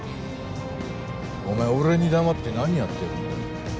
お前俺に黙って何やってるんだ？